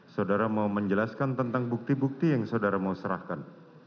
saudara mau menjelaskan tentang bukti bukti yang saudara mau serahkan